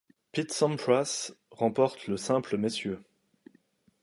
Pete Sampras remporte le simple messieurs.